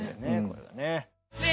これがね。